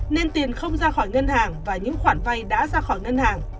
nên tiền không ra khỏi ngân hàng và những khoản vay đã ra khỏi ngân hàng